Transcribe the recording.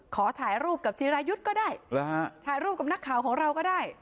ขอถ่ายรูปกับจีรายุทธ์ก็ได้ถ่ายรูปกับนักข่าวของเราก็ได้